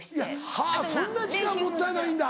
はぁそんな時間もったいないんだ。